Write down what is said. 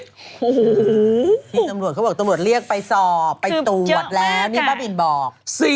โอ้โหที่ตำรวจเขาบอกตำรวจเรียกไปสอบไปตรวจแล้วนี่บ้าบินบอก